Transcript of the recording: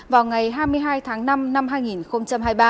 vào ngày hai mươi hai tháng năm năm hai nghìn hai mươi ba